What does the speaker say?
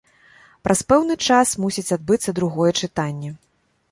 Праз пэўны час мусіць адбыцца другое чытанне.